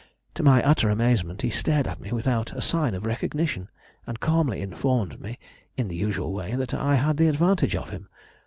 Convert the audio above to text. To my utter amazement, he stared at me without a sign of recognition, and calmly informed me, in the usual way, that I had the advantage of him.